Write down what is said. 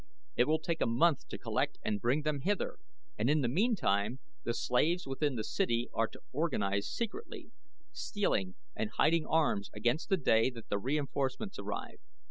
It will take a month to collect and bring them hither and in the meantime the slaves within the city are to organize secretly, stealing and hiding arms against the day that the reinforcements arrive.